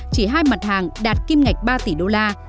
chỉ hai mặt hàng đạt kim ngạch ba tỷ đô la